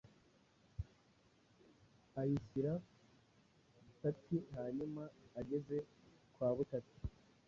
ayishyira butati hanyuma ageze kwa butati,